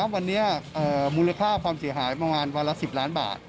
วันนี้มูลค่าความเสียหายประมาณวันละ๑๐ล้านบาท